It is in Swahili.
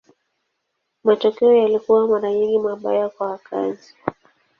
Matokeo yalikuwa mara nyingi mabaya kwa wakazi.